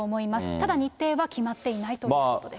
ただ、日程は決まっていないということです。